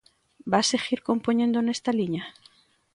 Vas seguir compoñendo nesta liña?